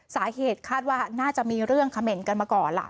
สาเหตุคาดว่าน่าจะมีเรื่องเขม่นกันมาก่อนล่ะ